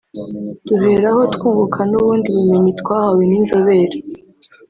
duheraho twunguka n’ubundi bumenyi twahawe n’inzobere